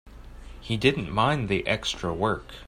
He didn't mind the extra work.